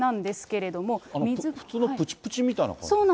普通のぷちぷちみたいな感じ。